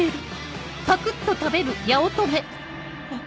あっ。